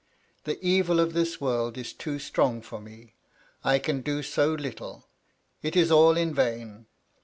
The evil of this world is too strong for me. I can do so little. It is all in vain.